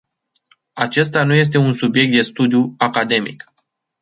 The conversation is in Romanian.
Acesta nu este un subiect de studiu academic.